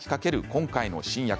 今回の新薬。